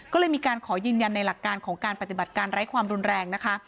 ก็เลยมีการขอยืนยันในหลักการของการปฏิบัติการไร้ความรุนแรงนะคะ